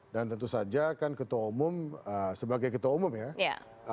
dan tentu saja kan ketua umum sebagai ketua umum ya